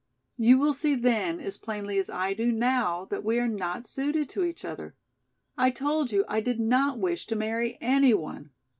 You will see then as plainly as I do now that we are not suited to each other. I told you I did not wish to marry any one.